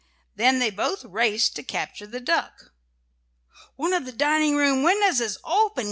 Then they both raced to capture the duck. "One of the dining room windows is open!"